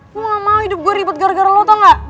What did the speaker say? gue gak mau hidup gue ribet gara gara lo atau nggak